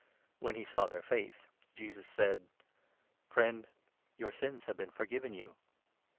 When he saw their faith, Jesus said : 20 " Friend, your sins have been forgiven you."